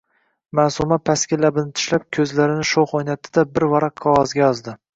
Maʼsuma pastki labini tishlab, koʼzlarini shoʼx oʼynatdi-da, bir varaq qogʼozga yozdi: